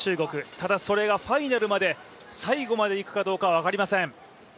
ただそれがファイナルまで最後まで行くかどうか分かりません。